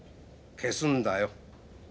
消すんだよ。